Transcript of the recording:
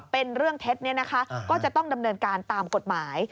เป็นเรื่องเท็จก็จะต้องดำเนินการตามกฎหมาย